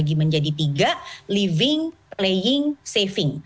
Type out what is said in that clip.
dan bagi menjadi tiga living playing saving